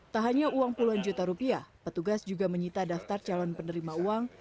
tak hanya uang puluhan juta rupiah petugas juga menyita daftar calon penerima uang